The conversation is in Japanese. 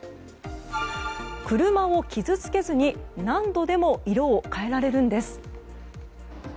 車を傷つけずに何度でも色を変えられるんです。